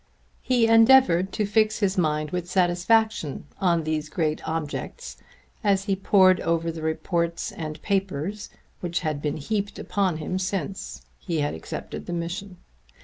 He endeavoured to fix his mind with satisfaction on these great objects as he pored over the reports and papers which had been heaped upon him since he had accepted the mission.